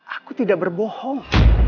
aku tidak berbohong